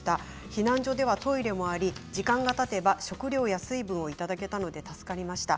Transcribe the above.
避難所ではトイレもあり時間がたてば食料や水分をいただけたので助かりました。